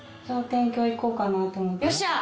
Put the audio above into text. よっしゃ！